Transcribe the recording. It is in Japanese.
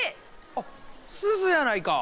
あっすずやないか。